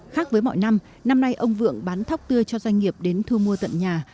khác với mọi năm năm nay ông vượng bán thóc tươi cho doanh nghiệp đến thu mua tận nhà